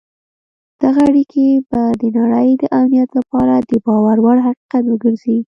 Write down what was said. دغه اړیکي به د نړۍ د امنیت لپاره د باور وړ حقیقت وګرځي.